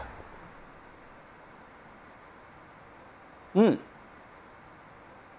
うん！